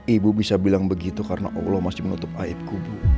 ibu bisa bilang begitu karena allah masih menutup aibku